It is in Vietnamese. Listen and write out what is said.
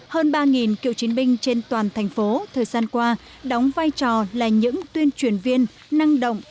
hơn ba cựu chiến binh trên toàn thành phố thời gian qua đóng vai trò là những tuyên truyền viên năng động